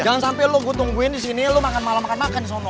jangan sampe lo gue tungguin disini lo malah makan makan disono